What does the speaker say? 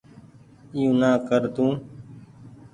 اي يو نا ڪر تو